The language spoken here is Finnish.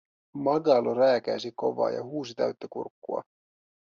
Magalo rääkäisi kovaa ja huusi täyttä kurkkua: